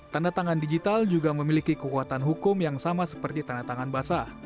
tanda tangan digital juga memiliki kekuatan hukum yang sama seperti tanda tangan basah